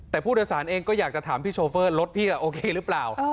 แต่ผู้โดยสารเองก็อยากจะถามพี่โชเฟอร์รถพี่โอเคหรือเปล่า